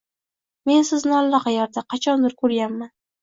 Men sizni allaqayerda, qachondir ko’rganman.